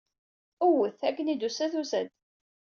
Ewwet! Akken i d-tusa, tusa-d.